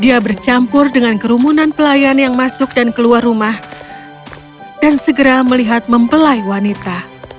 dia bercampur dengan kerumunan pelayan yang masuk dan keluar rumah dan segera melihat mempelai wanita